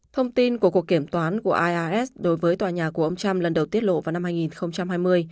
thông tin của cuộc kiểm toán của ias đối với tòa nhà của ông trump lần đầu tiết lộ vào năm hai nghìn hai mươi